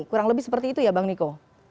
kurang lebih seperti itu ya bang niko